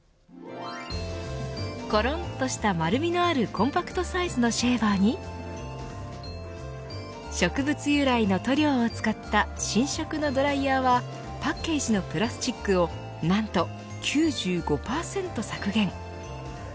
コロンとした丸みのあるコンパクトサイズのシェーバーに植物由来の塗料を使った新色のドライヤーはパッケージのプラスチックをなんと９５％削減。